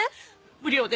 無料で。